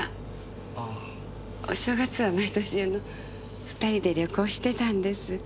あぁ。お正月は毎年あの２人で旅行してたんです。